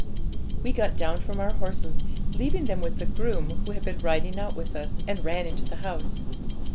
'We got down from our horses, leaving them with the groom who had been riding out with us, and ran into the house.